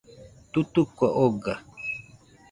Tutuco oga.